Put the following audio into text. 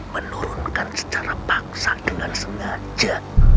menurunkan secara bangsa dengan sengaja